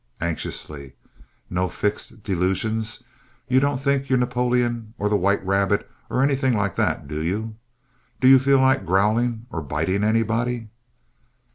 (Anxiously.) No fixed delusions? You don't think you're Napoleon or the White Rabbit or anything like that, do you? Do you feel like growling or biting anybody?